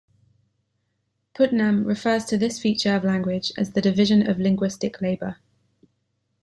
Putnam refers to this feature of language as "the division of linguistic labor".